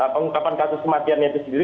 pengungkapan kasus kematiannya itu sendiri